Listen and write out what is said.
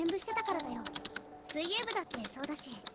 水泳部だってそうだし。